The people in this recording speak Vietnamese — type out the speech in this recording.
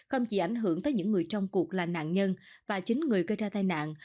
không chỉ ảnh hưởng tới những người trong cuộc là nạn nhân và chính người gây ra tai nạn